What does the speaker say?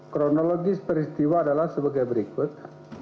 kronologis peristiwa adalah sebagai berikut